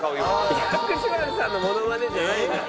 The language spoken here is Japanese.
薬師丸さんのモノマネじゃないのよ。